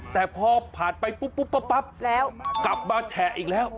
แต่พอผ่านไปปุ๊บปั๊บกลับมาแฉะอีกแล้ว